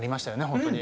本当に。